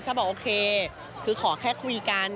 ถ้าบอกโอเคคือขอแค่คุยกัน